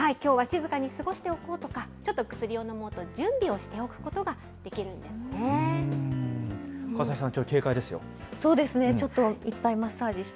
警戒して、きょうは静かに過ごしておこうとか、ちょっと薬を飲もうと、準備をしておくことが川崎さん、きょう警戒ですよ。